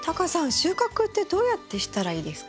収穫ってどうやってしたらいいですか？